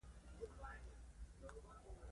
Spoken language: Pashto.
دوي تعليم نۀ وو کړی